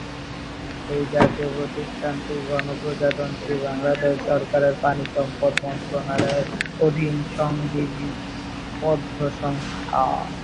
এই জাতীয় প্রতিষ্ঠানটি গণপ্রজাতন্ত্রী বাংলাদেশ সরকারের পানিসম্পদ মন্ত্রনালয়ের অধীন একটি সংবিধিবদ্ধ সংস্থা।